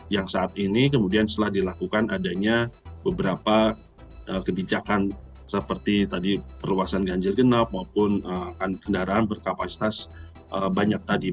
yang saat ini kemudian setelah dilakukan adanya beberapa kebijakan seperti tadi perluasan ganjil genap maupun kendaraan berkapasitas banyak tadi